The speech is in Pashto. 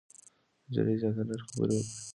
نجلۍ اجازه لري خبرې وکړي.